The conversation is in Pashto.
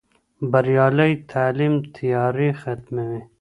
بریالی تعلیم تیارې ختموي.